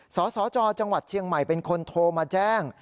สสจจังหวัดเชียงใหม่เป็นคนโทรมาแจ้ง